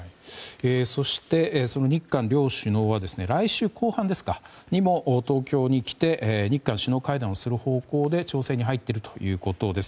そして、その日韓両首脳は来週後半にも東京に来て日韓首脳会談をする方向で調整に入っているようです。